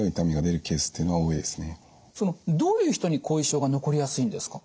そのどういう人に後遺症が残りやすいんですか？